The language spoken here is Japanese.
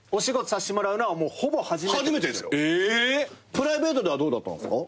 プライベートではどうだったんすか？